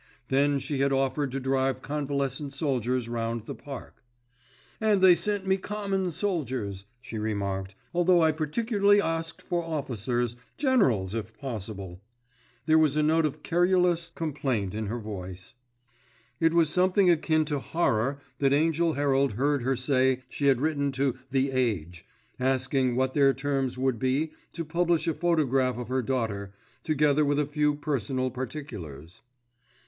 Then she had offered to drive convalescent soldiers round the Park. "And they sent me common soldiers," she remarked, "although I particularly asked for officers, generals if possible." There was a note of querulous complaint in her voice. It was with something akin to horror that Angell Herald heard her say she had written to The Age, asking what their terms would be to publish a photograph of her daughter, together with a few personal particulars.